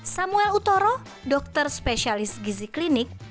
samuel utoro dokter spesialis gizi klinik bahkan menyebut